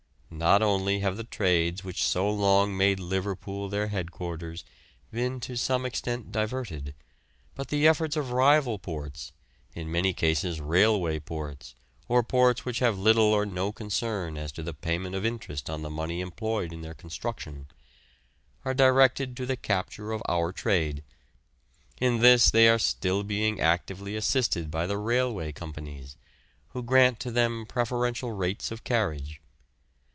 Not only have the trades which so long made Liverpool their headquarters been to some extent diverted, but the efforts of rival ports (in many cases railway ports or ports which have little or no concern as to the payment of interest on the money employed in their construction) are directed to the capture of our trade; in this they are still being actively assisted by the railway companies, who grant to them preferential rates of carriage.